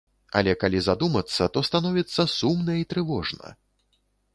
Але калі задумацца, то становіцца сумна і трывожна.